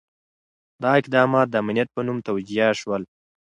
دا اقدامات د امنیت په نوم توجیه شول.